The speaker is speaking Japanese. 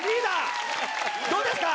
どうですか？